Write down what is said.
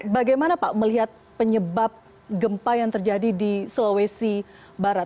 bagaimana pak melihat penyebab gempa yang terjadi di sulawesi barat